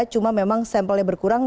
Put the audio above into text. cuma memang sampelnya berkurang